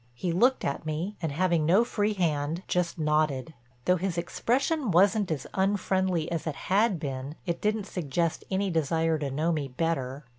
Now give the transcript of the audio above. He looked at me, and having no free hand, just nodded. Though his expression wasn't as unfriendly as it had been, it didn't suggest any desire to know me better.